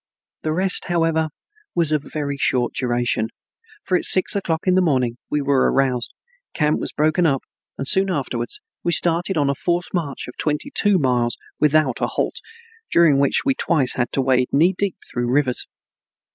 The rest, however, was of very short duration, for at six o'clock in the morning we were aroused, camp was broken up and soon afterwards we started on a forced march of twenty two miles without a halt, during which we twice had to wade knee deep through rivers.